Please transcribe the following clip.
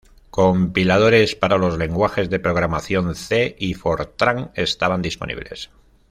Compiladores para los lenguajes de programación C y Fortran estaban disponibles.